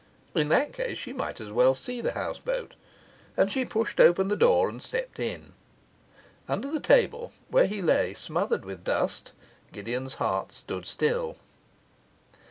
In that case she might as well see the houseboat, and she pushed open the door and stepped in. Under the table, where he lay smothered with dust, Gideon's heart stood still.